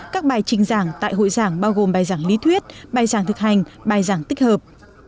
các bài trình giảng tại hội giảng bao gồm bài giảng lý thuyết bài giảng thực hành bài giảng tích hợp